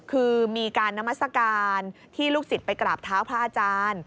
คือมีการนามัศกาลที่ลูกศิษย์ไปกราบเท้าพระอาจารย์